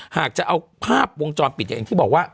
หากจะเอาภาพวงจรปิดอย่างที่บอกว่า